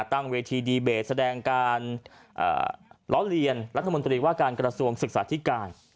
ตั้งเวทีดีเบตแสดงการล้อเลียนรัฐมนตรีว่าการกระทรวงศึกษาธิการ